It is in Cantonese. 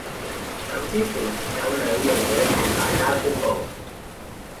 走之前有兩樣嘢同大家宣佈